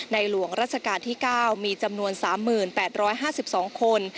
หลวงราชการที่๙มีจำนวน๓๘๕๒คน